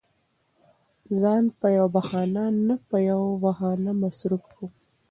ځان په يوه بهانه نه يوه بهانه مصروف کوم.